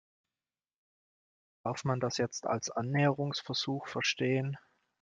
Darf man das jetzt als Annäherungsversuch verstehen?